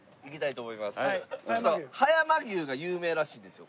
葉山牛が有名らしいんですよ